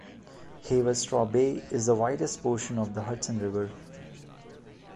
Haverstraw Bay is the widest portion of the Hudson River.